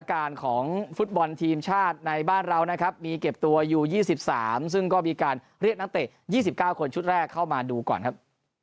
การของฟุตบอลทีมชาติในบ้านเรานะครับมีเก็บตัวอยู่๒๓ซึ่งก็มีการเรียกนักเตะ๒๙คนชุดแรกเข้ามาดูก่อนครับ